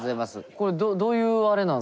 これどういうあれなんすか？